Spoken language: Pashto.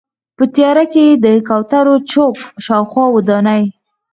په تیاره کې د کوترو چوک شاوخوا ودانۍ.